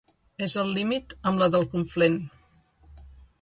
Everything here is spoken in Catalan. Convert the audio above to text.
És al límit amb la del Conflent.